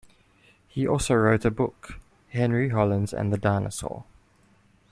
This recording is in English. He also wrote a book, "Henry Hollins and the Dinosaur".